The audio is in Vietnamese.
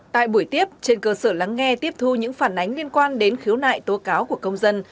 tại buổi tiếp trên cơ sở lắng nghe tiếp thu những phản ánh liên quan đến khiếu nại tố cáo của công dân